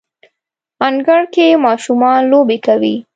انګړ کې ماشومان لوبې کوي